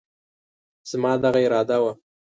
زما دغه اراده وه،